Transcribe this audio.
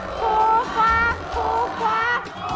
สูงกว่า